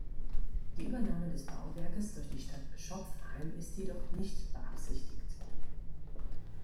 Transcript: Die Übernahme des Bauwerkes durch die Stadt Schopfheim ist jedoch nicht beabsichtigt.